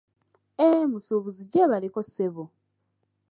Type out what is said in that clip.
..."Eh musuubuzi gyebaleko ssebo?